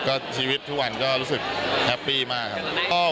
ก็ชีวิตทุกวันก็รู้สึกแฮปปี้มากครับ